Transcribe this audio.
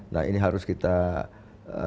nah ini harus kita lakukan